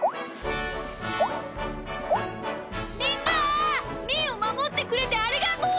みんなみーをまもってくれてありがとう！